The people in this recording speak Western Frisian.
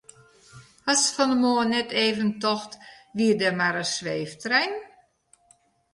Hast fan 'e moarn net even tocht wie der mar in sweeftrein?